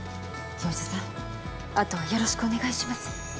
業者さん後はよろしくお願いします。